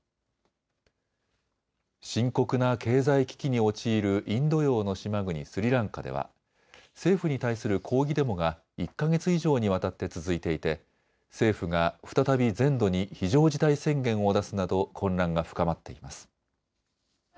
深刻な経済危機に陥るインド洋の島国、スリランカでは政府に対する抗議デモが１か月以上にわたって続いていて政府が再び全土に非常事態宣言を出すなど混乱が深まっています。